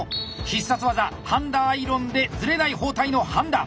必殺技半田アイロンでずれない包帯の半田。